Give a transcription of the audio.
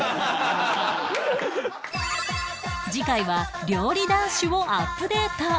次回は料理男子をアップデート